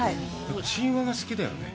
神話が好きだよね。